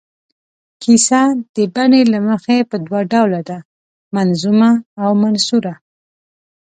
کیسه د بڼې له مخې په دوه ډوله ده، منظومه او منثوره.